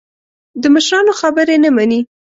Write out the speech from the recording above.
د مشرانو خبرې نه مني.